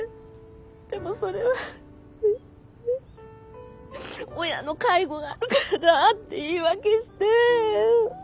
でもそれは親の介護があるからだって言い訳して。